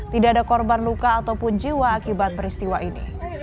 tidak ada korban luka ataupun jiwa akibat peristiwa ini